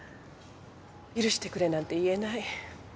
許してくれなんて言えない